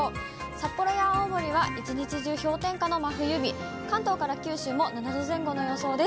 札幌や青森は一日中氷点下の真冬日、関東から九州も７度前後の予想です。